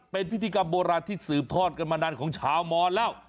เป็นพิธีกรรมโบราณที่สืบทอดกันมานานของชาวมอนแล้ว